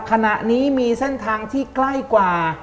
ขณะนี้มีเส้นทางที่ใกล้กว่า